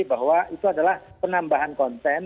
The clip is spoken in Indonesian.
bahwa itu adalah penambahan konten